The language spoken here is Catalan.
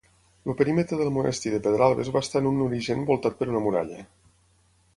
El perímetre del monestir de Pedralbes va estar en un origen voltat per una muralla.